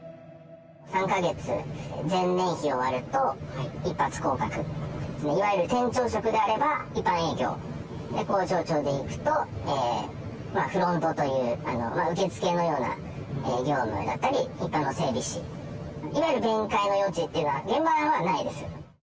３か月、前年比を割ると、一発降格。いわゆる店長職であれば、一般営業、工場長でいくと、フロントという、受け付けのような業務だったり、一般の整備士、いわゆる弁解の余地っていうのは、現場にはないです。